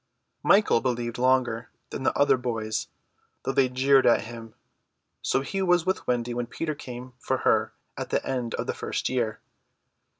Michael believed longer than the other boys, though they jeered at him; so he was with Wendy when Peter came for her at the end of the first year.